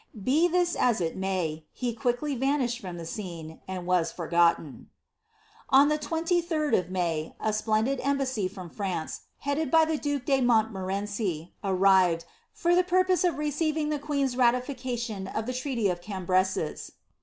Be ihia as it may, ha quickly vunished from the scene, and was forgolten. On the 23il of May, a splendid einbaaay from France, headed by ihc dake df Uonimoreuci, arrived, for the purpose of receiving the queep'i niificBtion of the treaty of Canibrcsis.